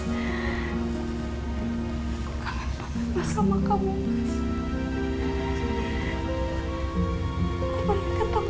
aku kangen banget sama kamu mas